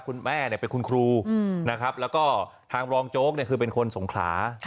คุณแม่เป็นคุณครูนะครับแล้วก็ทางรองโจ๊กคือเป็นคนสงขลา